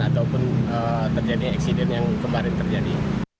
ataupun terjadi eksiden yang kemarin terjadi